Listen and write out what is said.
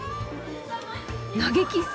投げキッス！